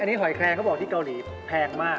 อันนี้หอยแคลงเขาบอกที่เกาหลีแพงมาก